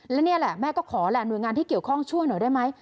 และนี่แหละแม่ก็ขอแหละหน่วยงานที่เกี่ยวข้องช่วยหน่อยได้ไหม